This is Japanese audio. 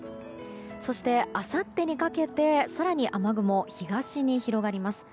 そして、あさってにかけて更に雨雲、東に広がります。